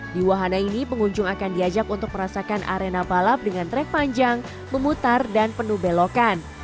di wahana ini pengunjung akan diajak untuk merasakan arena balap dengan trek panjang memutar dan penuh belokan